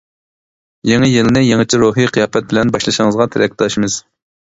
يېڭى يىلنى يېڭىچە روھىي قىياپەت بىلەن باشلىشىڭىزغا تىلەكداشمىز!